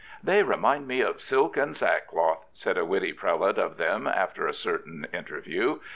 " They remind me of silk and sa(^loth," said a witty prelate of them after a certain interview.